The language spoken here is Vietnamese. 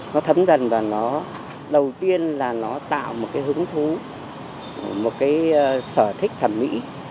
nó thấm dần và nó đầu tiên là nó tạo một cái hứng thú một cái sở thích thẩm mỹ